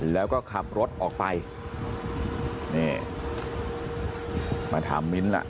แล้วก็ขับรถออกไปนี่มาถามมิ้นท์ล่ะ